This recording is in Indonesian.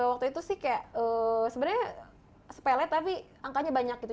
waktu itu sih kayak sebenarnya sepele tapi angkanya banyak gitu